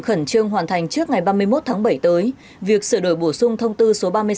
khẩn trương hoàn thành trước ngày ba mươi một tháng bảy tới việc sửa đổi bổ sung thông tư số ba mươi sáu